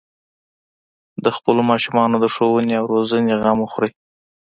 د خپلو ماشومانو د ښوونې او روزنې غم وخورئ.